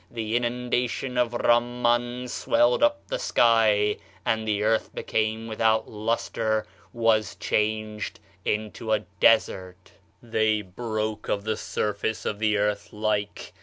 The inundation of Ramman swelled up to the sky, and [the earth] became without lustre, was changed into a desert. "'They broke ... of the surface of the earth like...